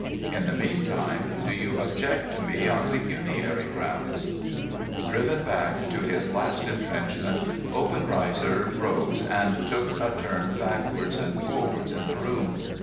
In the meantime, do you object to me on pecuniary grounds ?' Driven back to his last entrenchment, Obenreizer rose, and took a turn backwards and forwards in the room.